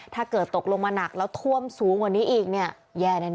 ถ้าเกิดตกลงมาหนักแล้วท่วมสูงกว่านี้อีกเนี่ยแย่แน่